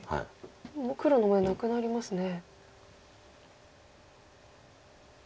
もう黒の眼なくなりますね。